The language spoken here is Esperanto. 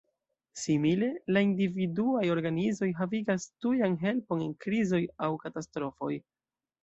Simile, la individuaj organizoj havigas tujan helpon en krizoj aŭ katastrofoj.